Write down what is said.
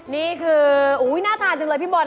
นี่คือน่าทานจังเลยพี่บอล